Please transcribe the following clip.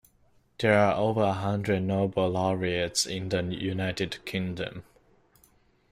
There are over a hundred noble laureates in the United Kingdom.